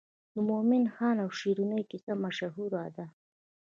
د مومن خان او شیرینو کیسه مشهوره ده.